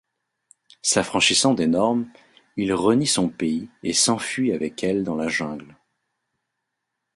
S'affranchissant des normes, il renie son pays et s'enfuit avec elle dans la jungle.